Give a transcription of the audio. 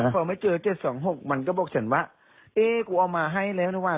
พอไม่เจอ๗๒๖มันก็บอกฉันว่าเอ๊ะกูเอามาให้แล้วนะว่